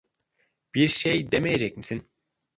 Bir şey demeyecek misin?